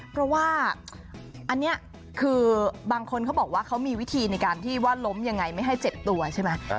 เพราะว่าอันนี้คือบางคนเขาบอกว่าเขามีวิธีในการที่ว่าล้มยังไงไม่ให้เจ็บตัวใช่ไหม